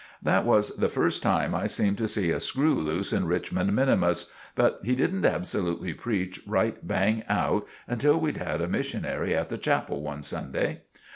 That was the first time I seemed to see a screw loose in Richmond minimus; but he didn't absolutely preach right bang out until we'd had a missionary at the chapel one Sunday.